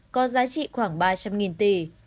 có giá trị khoảng ba trăm linh tỷ